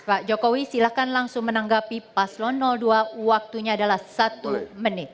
pak jokowi silahkan langsung menanggapi paslon dua waktunya adalah satu menit